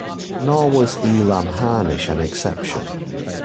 Nor was Elam Harnish an exception.